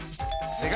正解！